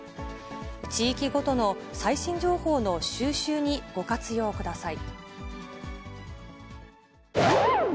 地域ごとの最新情報の収集にご活用ください。